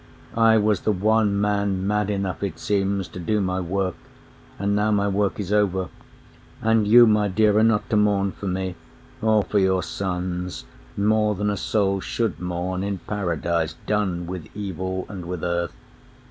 I was the one man mad enough, it seems, To do my work; and now my work is over. And you, my dear, are not to mourn for me, Or for your sons, more than a soul should mourn In Paradise, done with evil and with earth.